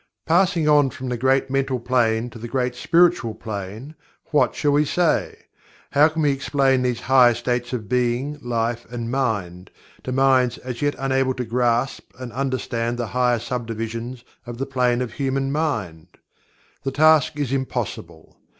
Passing on from the Great Mental Plane to the Great Spiritual Plane, what shall we say? How can we explain these higher states of Being, Life and Mind, to minds as yet unable to grasp and understand the higher subdivisions of the Plane of Human Mind? The task is impossible.